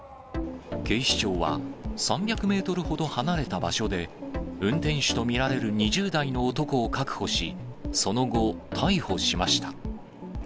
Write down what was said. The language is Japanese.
警視庁は、３００メートルほど離れた場所で、運転手と見られる２０代の男を確保し、その後、逮捕しました。